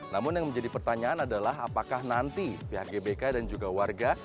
namun yang menjadi pertanyaan adalah apakah nanti pihak gbk dan juga warga